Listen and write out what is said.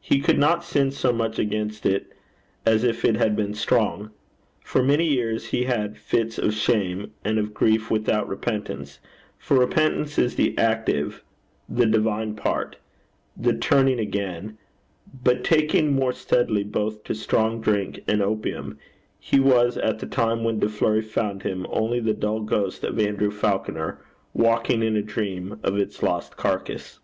He could not sin so much against it as if it had been strong. For many years he had fits of shame, and of grief without repentance; for repentance is the active, the divine part the turning again; but taking more steadily both to strong drink and opium, he was at the time when De Fleuri found him only the dull ghost of Andrew Falconer walking in a dream of its lost carcass.